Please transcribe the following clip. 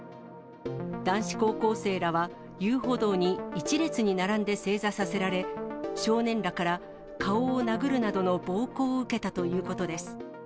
男子高校生らは、遊歩道に一列に並んで正座させられ、少年らから顔を殴るなどの暴行を受けたということです。